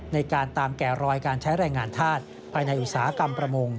ในการตามแก่รอยการใช้แรงงานธาตุภายในอุตสาหกรรมประมง